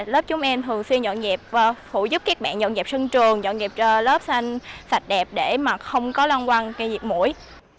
lớp chúng em thường xuyên dọn dẹp phụ giúp các bạn dọn dẹp sân trường dọn dẹp lớp sạch đẹp để không có lan quăng diệt mũi